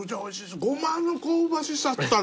ゴマの香ばしさったら！